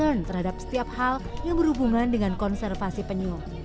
dan juga concern terhadap setiap hal yang berhubungan dengan konservasi penyu